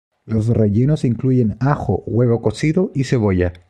Los rellenos incluyen ajo, huevo cocido y cebolla.